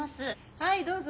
はいどうぞ。